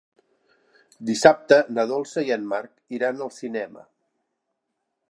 Dissabte na Dolça i en Marc iran al cinema.